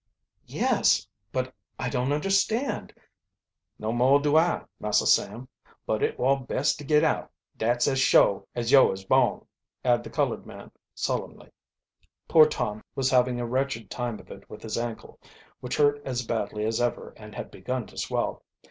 "Yes, but I don't understand " "No more do I, Massah Sam, but it war best to git out, dat's as shuah as yo' is born," added the colored man solemnly. Poor Torn was having a wretched time of it with his ankle, which hurt as badly as ever and had begun to swell.